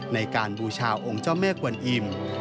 ในการบูชาวองค์เจ้าแม่กวนอิ่ม